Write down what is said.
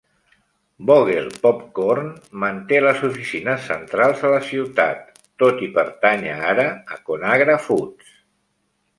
Vogel Popcorn manté les oficines centrals a la ciutat, tot i pertànyer ara a ConAgra Foods.